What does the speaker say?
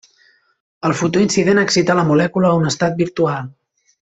El fotó incident excita la molècula a un estat virtual.